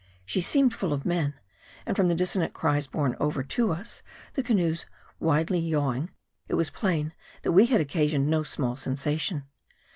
She seemed full of men ; and from the dissonant cries borne over to us, and the canoe's widely yawing, it was plain that we had occasioned no small sensation.